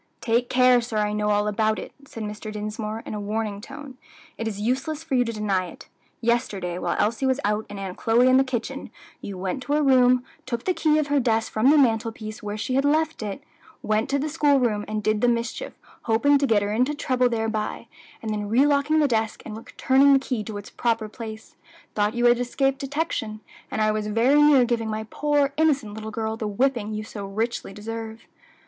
"Take care, sir; I know all about it," said Mr. Dinsmore, in a warning tone; "it is useless for you to deny it. Yesterday, while Elsie was out and Aunt Chloe in the kitchen, you went to her room, took the key of her desk from the mantel piece where she had left it, went to the school room and did the mischief, hoping to get her into trouble thereby, and then relocking the desk and returning the key to its proper place, thought you had escaped detection; and I was very near giving my poor, innocent little girl the whipping you so richly deserve."